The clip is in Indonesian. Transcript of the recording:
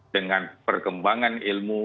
dengan perkembangan ilmu